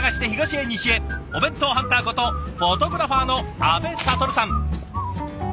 お弁当ハンターことフォトグラファーの阿部了さん。